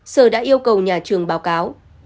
sở đã yêu cầu nhà trường báo cáo